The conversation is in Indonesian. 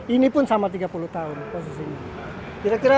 ini pun sama tiga puluh tahun posisi ini